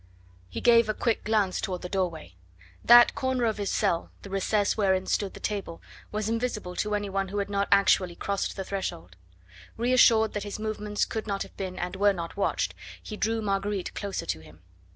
He gave a quick glance toward the doorway. That corner of his cell, the recess wherein stood the table, was invisible to any one who had not actually crossed the threshold. Reassured that his movements could not have been and were not watched, he drew Marguerite closer to him.